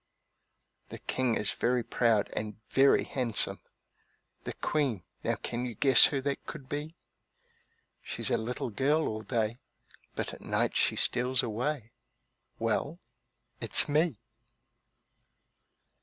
The King is very proud and very handsome; The Queen now you can quess who that could be (She's a little girl all day, but at night she steals away)? Well it's Me!